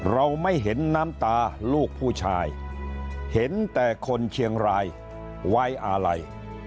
เราไม่เห็นน้ำตาลูกผู้ชายเห็นแต่คนเชียงรายไว้อะไร